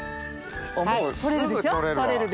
もうすぐ取れるわ。